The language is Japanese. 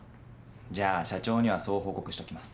じゃあ社長にはそう報告しときます。